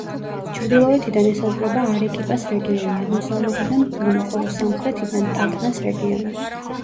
ჩრდილოეთიდან ესაზღვრება არეკიპას რეგიონი, აღმოსავლეთიდან პუნო, ხოლო სამხრეთიდან ტაკნას რეგიონი.